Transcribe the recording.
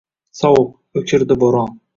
Sovuq. O‘kirdi bo‘ron.